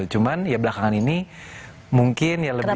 cuman ya belakangan ini mungkin ya lebih